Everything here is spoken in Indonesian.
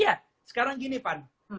iya sekarang gini pan